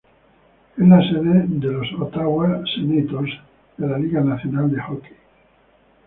Es la sede de los Ottawa Senators de la Liga Nacional de Hockey.